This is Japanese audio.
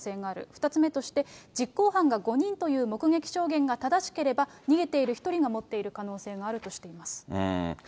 ２つ目として、実行犯が５人という目撃証言が正しければ、逃げている１人が持っている可能性があるとしています。